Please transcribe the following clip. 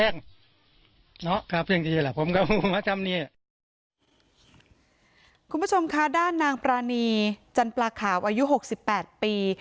เนี่ยกันเลยคุณผู้ชมค่ะด้านนางปรานีจันปลาขาวอายุหกสิบแปดปี